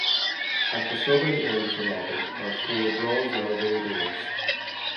At the southern end of the lobby are four bronze elevator doors.